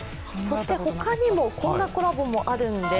他にもこんなコラボがあるんです。